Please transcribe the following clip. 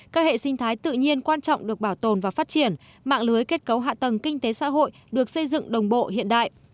các hệ sinh thái tự nhiên quan trọng được bảo tồn và phát triển mạng lưới kết cấu hạ tầng kinh tế xã hội được xây dựng đồng bộ hiện đại